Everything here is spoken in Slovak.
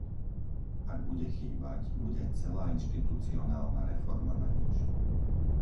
Ak bude chýbať, bude celá inštitucionálna reforma nanič.